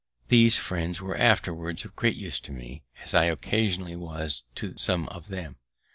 These friends were afterwards of great use to me, as I occasionally was to some of them.